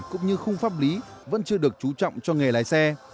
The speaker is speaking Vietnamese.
cũng như khung pháp lý vẫn chưa được trú trọng cho nghề lái xe